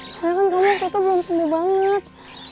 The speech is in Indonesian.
kayaknya kan kamu waktu itu belum sembuh banget